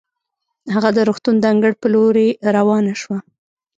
هغه د روغتون د انګړ په لورې روانه شوه.